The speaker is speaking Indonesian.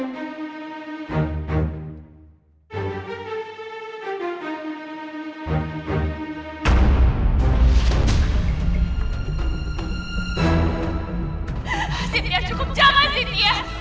jangan dekat dekat anak aku